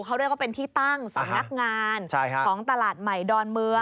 เขาเรียกว่าเป็นที่ตั้งสำนักงานของตลาดใหม่ดอนเมือง